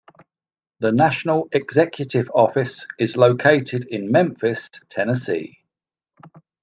The National Executive Office is located in Memphis, Tennessee.